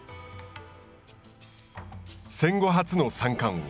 戦後初の三冠王。